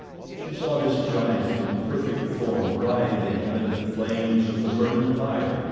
She saw this giant and perfect form writhing amid the flames of the burning pyre.